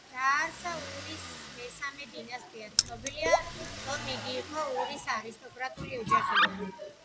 დააარსა ურის მესამე დინასტია, ცნობილია, რომ იგი იყო ურის არისტოკრატიული ოჯახიდან.